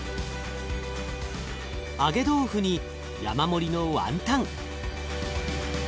揚げ豆腐に山盛りのワンタン。